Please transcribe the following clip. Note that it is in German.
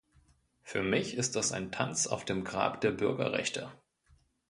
Für mich ist das ein Tanz auf dem Grab der Bürgerrechte!